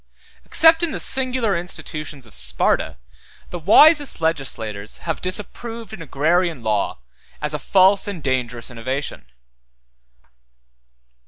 Except in the singular institutions of Sparta, the wisest legislators have disapproved an agrarian law as a false and dangerous innovation.